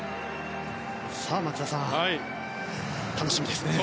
松田さん、楽しみですね。